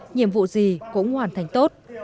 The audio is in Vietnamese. nhiệm vụ gì cũng hoàn thành tốt